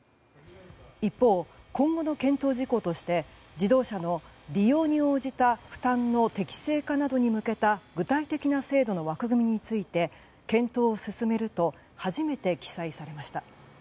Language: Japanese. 一方、今後の検討事項として自動車の利用に応じた負担の適正化などに向けた具体的な制度の枠組みについて検討を進めると初めて記載されました。